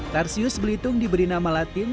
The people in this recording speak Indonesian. tarsius belitung diberi nama latin